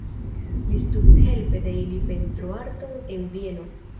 Li studis helpe de ili pentroarton en Vieno.